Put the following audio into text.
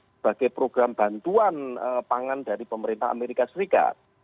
sebagai program bantuan pangan dari pemerintah amerika serikat